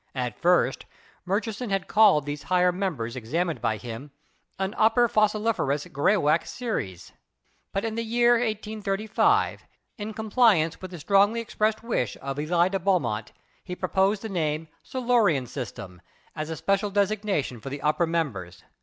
At first Murchison had called these higher members examined by him an "Upper fossiliferous graywacke series," but in the year 1835, in compliance with the strongly expressed wish of Elie de Beaumont, he proposed the name "Silurian System" as a special designation for the upper members.